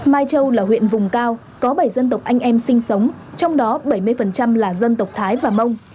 mai châu là huyện vùng cao có bảy dân tộc anh em sinh sống trong đó bảy mươi là dân tộc thái và mông